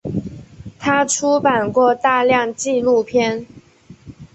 他出版过大量纪录片。